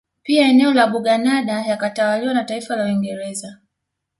Pia eneo la Buganada yakatwaliwa na taifa la Uingereza